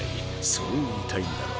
そう言いたいんだろ。